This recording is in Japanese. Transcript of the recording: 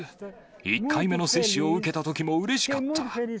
１回目の接種を受けたときもうれしかった。